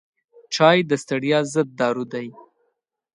چای د ستړیا ضد دارو دی.